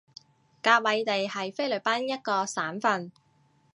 甲米地係菲律賓一個省份